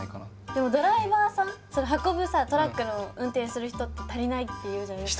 でもドライバーさんその運ぶトラックの運転する人って足りないっていうじゃないですか。